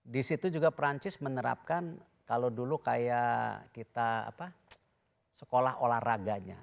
di situ juga perancis menerapkan kalau dulu kayak kita sekolah olahraganya